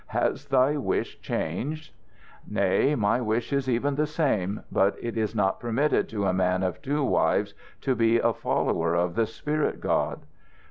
Has thy wish changed?" "Nay, my wish is even the same, but it is not permitted to a man of two wives to be a follower of the spirit God."